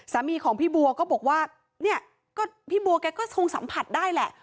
สามีของพี่บัวก็บอกว่าเนี่ยก็พี่บัวแกก็คงสัมผัสได้แหละ